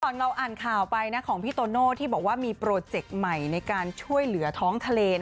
เราอ่านข่าวไปของพี่โตโน่ที่บอกว่ามีโปรเจคใหม่ในการช่วยเหลือท้องทะเล